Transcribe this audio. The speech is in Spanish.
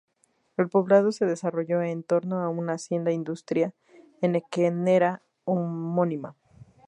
El poblado se desarrolló en torno a una hacienda Industria henequenera homónima.